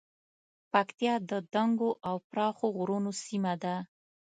پکتیا د دنګو او پراخو غرونو سیمه ده